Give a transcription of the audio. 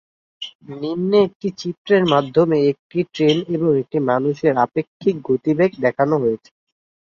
নিম্নে একটি চিত্রের মাধ্যমে একটি ট্রেন এবং একজন মানুষের আপেক্ষিক গতিবেগ দেখানো হয়েছে।